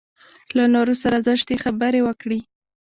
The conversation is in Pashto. له نورو سره زشتې خبرې وکړي.